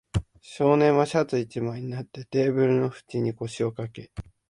少年はシャツ一枚になって、テーブルの縁に腰をかけ、